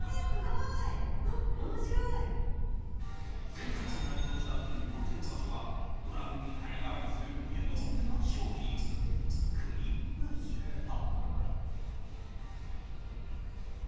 センサーを内蔵したクリップをつけた場所がドラムに早変わりするユニークな商品、クリップヒット。